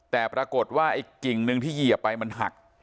แต่ปรากฏว่าไอ้กิ่งหนึ่งที่เหยียบไปมันหัก